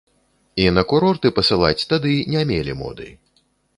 І на курорты пасылаць тады не мелі моды.